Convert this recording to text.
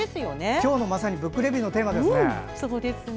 今日の「ブックレビュー」のテーマですね。